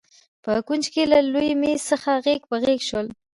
په کونج کې له لوی مېز څخه غېږ په غېږ شول.